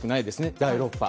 第６波。